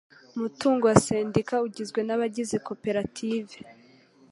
umutungo wa sendika ugizwe na bagize koperative